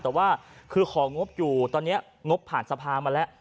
แต่ว่าคือของงบอยู่ตอนนี้งบผ่านสภามาแล้ว